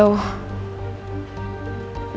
biar joshua menjauh